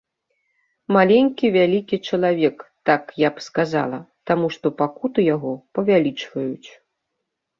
Маленькі вялікі чалавек, так я б сказала, таму што пакуты яго павялічваюць.